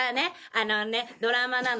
あのねドラマなの。